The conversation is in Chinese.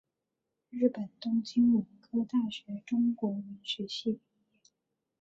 日本东京文科大学中国文学系毕业。